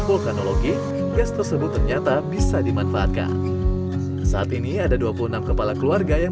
vulkanologi gas tersebut ternyata bisa dimanfaatkan saat ini ada dua puluh enam kepala keluarga yang